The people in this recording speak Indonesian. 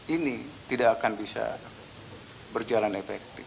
ini tidak akan bisa berjalan efektif